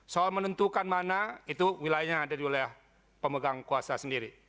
soal menentukan mana itu wilayahnya ada di wilayah pemegang kuasa sendiri